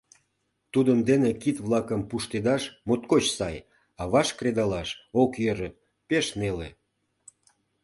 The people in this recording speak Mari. Тудын дене кит-влакым пуштедаш моткоч сай, а ваш кредалаш ок йӧрӧ — пеш неле.